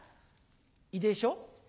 胃でしょ？